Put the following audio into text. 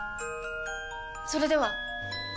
それでは！